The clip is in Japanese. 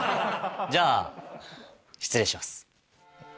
じゃあ失礼します。